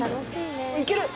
いける！